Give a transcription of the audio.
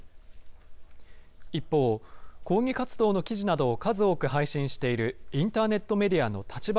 一方、抗議活動の記事などを数多く配信しているインターネットメディアの立場